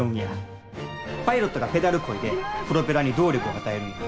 パイロットがペダルこいでプロペラに動力を与えるんや。